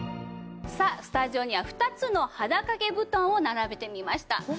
さあスタジオには２つの肌掛け布団を並べてみました。